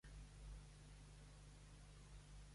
Ltd. fou adquirida per Austereo.